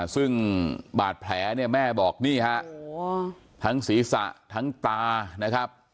ซึ่งบาดแผลเนี่ยแม่บอกนี่ฮะทั้งศีรษะทั้งตานะครับ